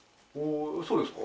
そうですか？